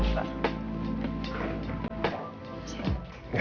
terima kasih piet